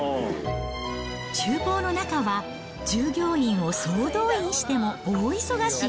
ちゅう房の中は、従業員を総動員しても大忙し。